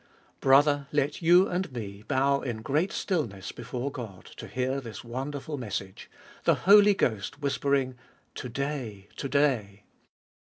/. Brother, let you and me bow in great stillness before Qod to hear this wonderful message : the Holy Ghost whispering, To day, To day.